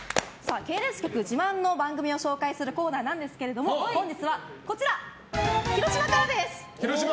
系列局自慢の番組を紹介するコーナーなんですけども本日は、広島からです。